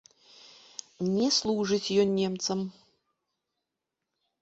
Не служыць ён немцам!